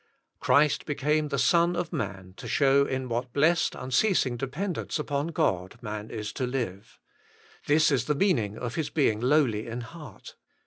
Christ became the Son of Man to show in what blessed unceasing dependence upon God man is to live: this is the meaning of His being lowly in heart.